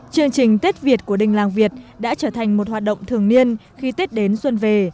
chương trình tết việt của đình làng việt đã trở thành một hoạt động thường niên khi tết đến xuân về